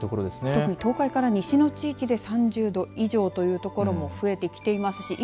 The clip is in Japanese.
特に東海から西の地域で３０度以上という所も増えてきています。